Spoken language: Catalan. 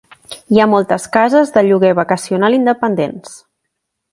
Hi ha moltes cases de lloguer vacacional independents.